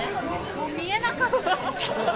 もう見えなかった。